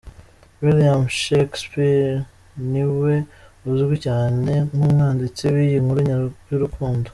William Shakespeare ni we uzwi cyane nk’umwanditsi w’iyi nkuru y’urukundo.